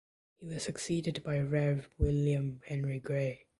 He was succeeded by Rev William Henry Gray.